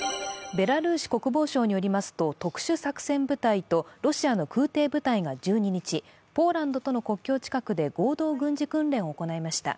ベラルーシ国防省によりますと特殊作戦部隊とロシアの空挺部隊が１２日、ポーランドとの国境近くで合同軍事訓練を行いました。